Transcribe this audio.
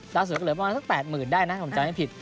รักษูเหลือประมาณสัก๘หมื่นได้นะผมจำได้ผิด